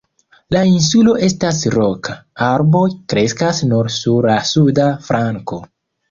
La insulo estas roka, arboj kreskas nur sur la suda flanko.